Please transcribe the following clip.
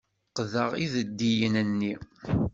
Qqdeɣ ideddiyen-nni.